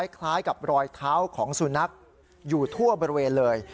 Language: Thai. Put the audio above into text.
คล้ายกับรอยเท้าของสุนัขอยู่ทั่วบริเวณเลย